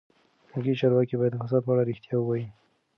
ملکي چارواکي باید د فساد په اړه رښتیا ووایي.